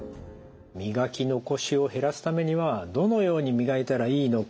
磨き残しを減らすためにはどのように磨いたらいいのか。